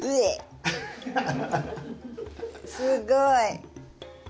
すごい。